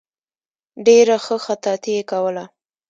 ډېره ښه خطاطي یې کوله.